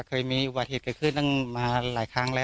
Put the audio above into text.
เคยมีอุบัติเหตุเกิดขึ้นตั้งมาหลายครั้งแล้ว